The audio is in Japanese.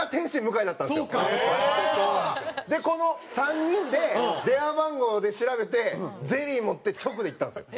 でこの３人で電話番号で調べてゼリー持って直で行ったんですよ。